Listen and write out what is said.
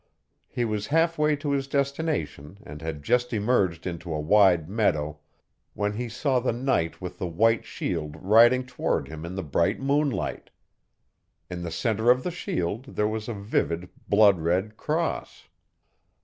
He was halfway to his destination and had just emerged into a wide meadow when he saw the knight with the white shield riding toward him in the bright moonlight. In the center of the shield there was a vivid blood red cross.